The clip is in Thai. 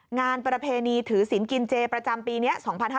ประเพณีถือศิลป์กินเจประจำปีนี้๒๕๕๙